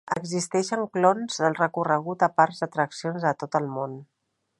Existeixen clons del recorregut a parcs d'atraccions de tot el món.